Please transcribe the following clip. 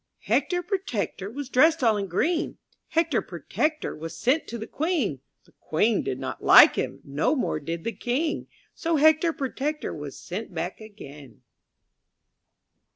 TJr ECTOR Protector was dressed all in green ;■ Hector Protector was sent to the Queen; The Queen did not like him. No more did the King; So Hector Protector was sent back again.